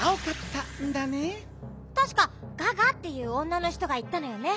たしかガガっていう女の人がいったのよね。